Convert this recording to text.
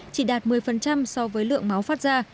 chỉ đạt một mươi so với lượng máu phát ra